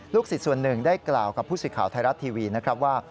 สิทธิ์ส่วนหนึ่งได้กล่าวกับผู้สื่อข่าวไทยรัฐทีวีนะครับว่า